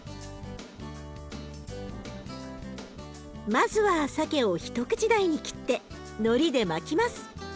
まずはさけを一口大に切ってのりで巻きます。